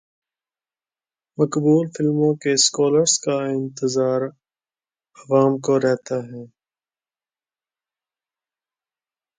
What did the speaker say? مقبول فلموں کے سیکوئلز کا انتظار عوام کو رہتا ہے۔